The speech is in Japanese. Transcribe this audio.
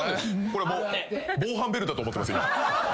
これ防犯ベルだと思ってます。